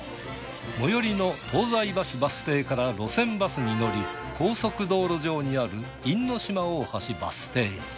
最寄りの東西バスバス停から路線バスに乗り高速道路上にある因島大橋バス停へ。